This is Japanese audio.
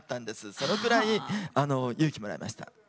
そのくらい勇気もらえました。